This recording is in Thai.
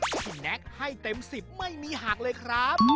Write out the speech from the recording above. สินแนคให้เต็มสิบไม่มีหากเลยครับ